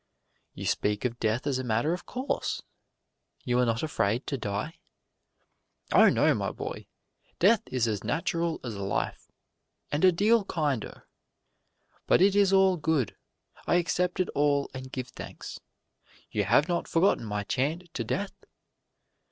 "You speak of death as a matter of course you are not afraid to die?" "Oh, no, my boy; death is as natural as life, and a deal kinder. But it is all good I accept it all and give thanks you have not forgotten my chant to death?"